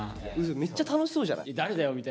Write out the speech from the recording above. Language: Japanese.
めっちゃ楽しそうじゃない？